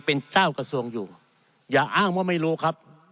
เป็นเจ้ากระทรวงอยู่อย่าอ้างว่าไม่รู้ครับ